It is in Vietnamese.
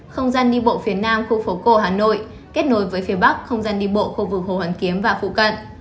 không gian đi bộ phía nam khu phố cổ hà nội kết nối với phía bắc không gian đi bộ khu vực hồ hoàn kiếm và phụ cận